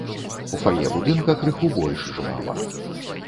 У фае будынка крыху больш жвава.